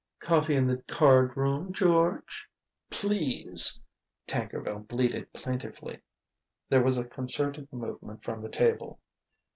"Coffee in the card room, George?" "Please!" Tankerville bleated plaintively. There was a concerted movement from the table.